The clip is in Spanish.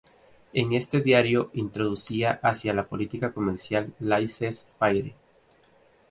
En este diario, introducía hacia la política comercial laissez faire.